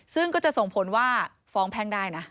ซึ่งก็จะส่งผลว่าฟ้องแพ่งได้นะ